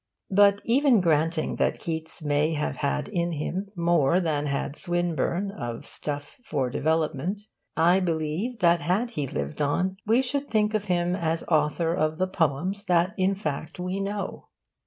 But even granting that Keats may have had in him more than had Swinburne of stuff for development I believe that had he lived on we should think of him as author of the poems that in fact we know.